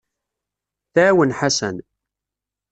Tɛawen Ḥasan.